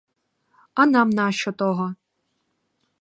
А нам нащо того?